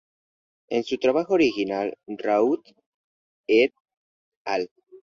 En su trabajo original, Rauhut "et al.